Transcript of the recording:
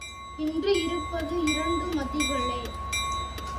இன்று இருப்பது இரண்டு மதில்களே.